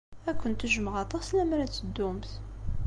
Ad kent-jjmeɣ aṭas lemmer ad teddumt.